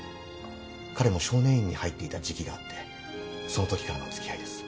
彼も少年院に入っていた時期があってそのときからの付き合いです。